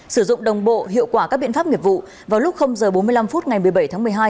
sử dụng đồng bộ hiệu quả các biện pháp nghiệp vụ vào lúc h bốn mươi năm phút ngày một mươi bảy tháng một mươi hai